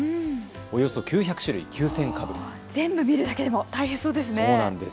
およそ９００種類９０００株、全部見るだけでも大変そうですね。